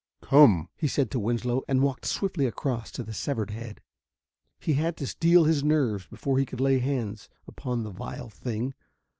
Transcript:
"Come!" he said to Winslow, and walked swiftly across to the severed head. He had to steel his nerves before he could lay hands upon the vile thing.